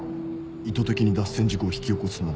意図的に脱線事故を引き起こすなんて。